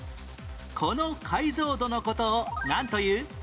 この解像度の事をなんという？